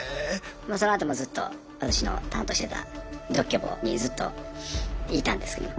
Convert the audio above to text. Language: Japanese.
そのあともうずっと私の担当してた独居房にずっといたんですけど。